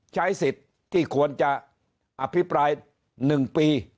ใช้สิทธิ์ที่ควรจะอภิปราย๑ปี